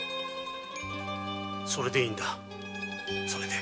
それでいいんだそれで。